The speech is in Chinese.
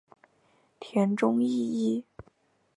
田中义一。